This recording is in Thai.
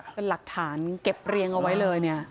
เป็นหลักฐานเก็บเรียงเอาไว้เลยเนี่ย